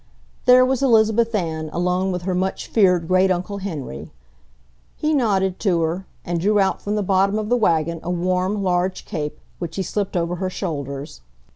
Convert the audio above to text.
There was Elizabeth Ann alone with her much feared Great uncle Henry. He nodded to her, and drew out from the bottom of the wagon a warm, large cape, which he slipped over her shoulders.